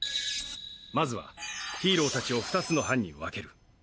まずはヒーロー達を２つの班に分ける。